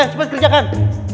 eh cepet kerjakan